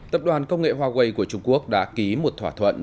tập đoàn công nghệ huawei của trung quốc đã ký một thỏa thuận